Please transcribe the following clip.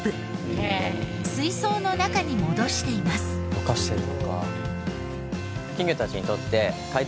ろ過してるのか。